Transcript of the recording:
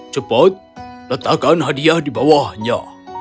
cepat letakkan hadiah di bawahnya